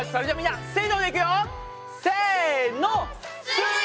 せの！